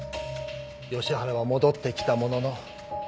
吉原は戻ってきたものの。